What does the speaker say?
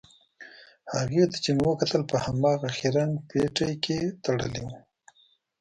هغې ته چې مې وکتل په هماغه خیرن پټۍ کې تړلې وې.